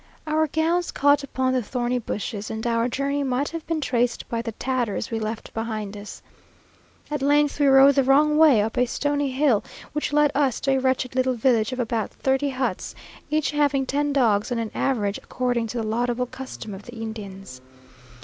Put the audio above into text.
Our gowns caught upon the thorny bushes, and our journey might have been traced by the tatters we left behind us. At length we rode the wrong way, up a stony hill, which led us to a wretched little village of about thirty huts, each having ten dogs on an average, according to the laudable custom of the Indians.